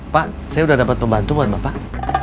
pak saya udah dapat pembantu buat bapak